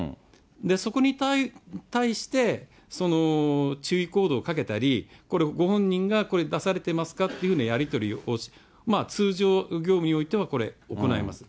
そこに対して、注意行動をかけたり、これ、ご本人が出されてますかっていうふうなやり取りを、通常業務においては行います。